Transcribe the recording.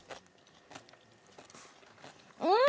うん！